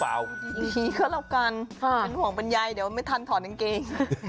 เป็นห่วงบรรยายเดี๋ยวไม่ทันถอดกางเกง